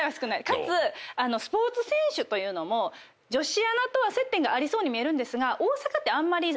かつスポーツ選手というのも女子アナとは接点がありそうに見えるんですが。